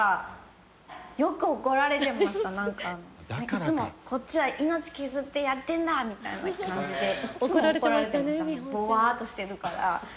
いつも「こっちは命削ってやってんだ」みたいな感じでいっつも怒られてました。